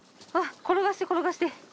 転がして転がして。